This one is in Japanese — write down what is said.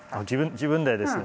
自分でですね？